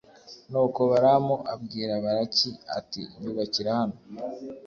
nuko balamu abwira balaki ati nyubakira hano